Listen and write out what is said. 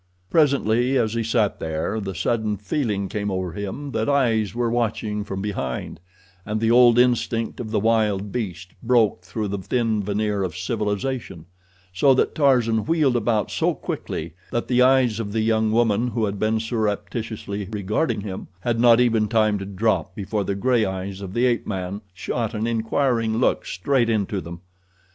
Presently, as he sat there, the sudden feeling came over him that eyes were watching from behind, and the old instinct of the wild beast broke through the thin veneer of civilization, so that Tarzan wheeled about so quickly that the eyes of the young woman who had been surreptitiously regarding him had not even time to drop before the gray eyes of the ape man shot an inquiring look straight into them.